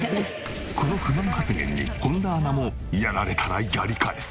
この不満発言に本田アナもやられたらやり返す。